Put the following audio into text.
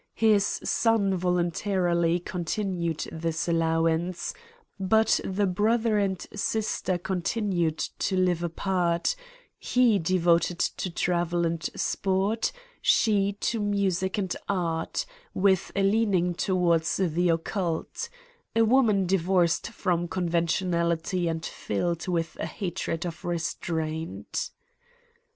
His son voluntarily continued this allowance, but the brother and sister continued to live apart, he devoted to travel and sport, she to music and art, with a leaning towards the occult a woman divorced from conventionality and filled with a hatred of restraint.